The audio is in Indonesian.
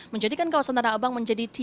menjadikan kawasan tanah abang menjadi